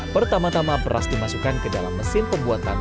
pertama tama beras dimasukkan ke dalam mesin pembuatan